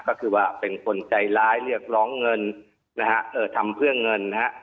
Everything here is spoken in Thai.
ก็คือว่าเป็นคนใจร้ายเรียกร้องเงินทำเพื่อเงิน